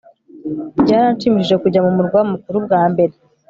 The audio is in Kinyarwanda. byaranshimishije kujya mu murwa mukuru bwa mbere